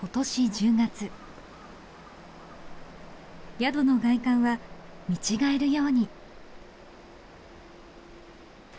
宿の外観は見違えるように。